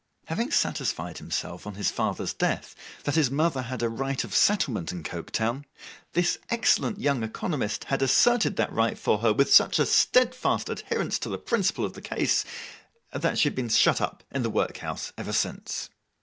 Having satisfied himself, on his father's death, that his mother had a right of settlement in Coketown, this excellent young economist had asserted that right for her with such a steadfast adherence to the principle of the case, that she had been shut up in the workhouse ever since.